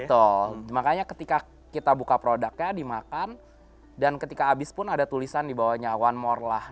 betul makanya ketika kita buka produknya dimakan dan ketika habis pun ada tulisan dibawanya one more lah